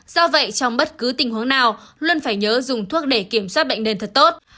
do vậy trong bất cứ tình huống nào luôn phải nhớ dùng thuốc để kiểm soát bệnh nền thật tốt